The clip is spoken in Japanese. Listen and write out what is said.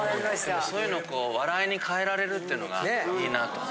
そういうのをこう笑いに変えられるってのがいいなと。